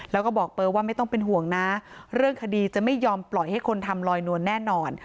แล้วก็บอกเบอร์ว่าไม่ต้องเป็นห่วงนะเรื่องคดีจะไม่ยอมปล่อยให้คนทำลอยนวลแน่นอน